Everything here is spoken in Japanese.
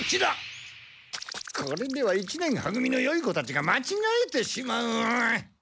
これでは一年は組のよい子たちがまちがえてしまう！